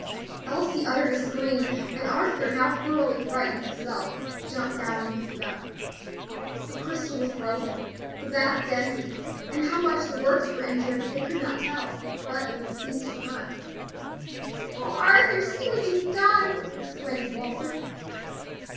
Elsie uttered a scream, and Arthur, now thoroughly frightened himself, jumped down and picked it up. The crystal was broken, the back dented, and how much the works were injured they could not tell; but it had ceased to run. "O Arthur! see what you've done!" exclaimed Walter.